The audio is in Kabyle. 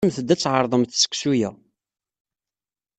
Asemt-d ad tɛerḍemt seksu-a.